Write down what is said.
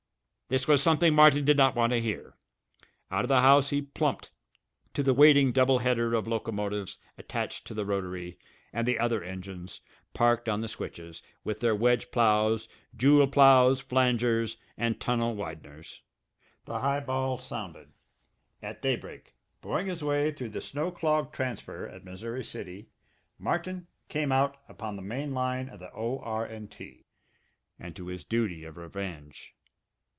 This was something Martin did not want to hear. Out of the house he plumped, to the waiting double header of locomotives attached to the rotary, and the other engines, parked on the switches, with their wedge ploughs, jull ploughs, flangers, and tunnel wideners. The "high ball" sounded. At daybreak, boring his way through the snow clogged transfer at Missouri City, Martin came out upon the main line of the O.R. & T. and to his duty of revenge.